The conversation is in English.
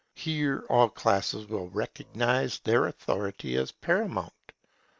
Here all classes will recognize their authority as paramount.